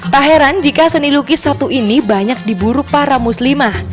tak heran jika seni lukis satu ini banyak diburu para muslimah